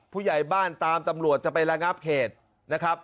ผู้ใหญ่บ้านตามตำรวจจะไประงับเหตุนะครับ